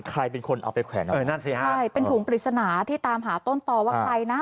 ใครเป็นคนเอาไปแขวนเอานั่นสิฮะใช่เป็นถุงปริศนาที่ตามหาต้นต่อว่าใครนะ